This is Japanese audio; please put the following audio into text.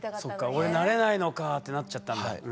「俺なれないのか」ってなっちゃったんだ。